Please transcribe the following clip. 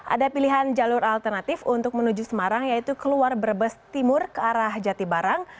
ada pilihan jalur alternatif untuk menuju semarang yaitu keluar brebes timur ke arah jatibarang